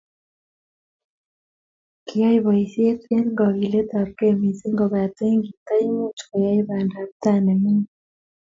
Kiyai boisyet eng kagiletabgei missing, kobate kitaimuch koyai bandaptai ne mining.